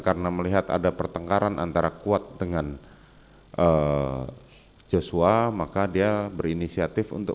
karena melihat ada pertengkaran antara kuat dengan eh joshua maka dia berinisiatif untuk